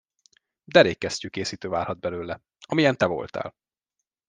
Derék kesztyűkészítő válhat belőle, amilyen te voltál.